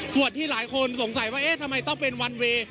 ส่วนที่หลายคนสงสัยว่าเอ๊ะทำไมต้องเป็นวันเวย์